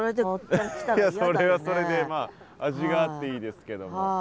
それはそれでまあ味があっていいですけども。